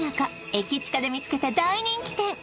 ・駅チカで見つけた大人気店